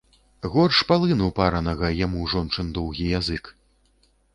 Горш палыну паранага яму жончын доўгі язык.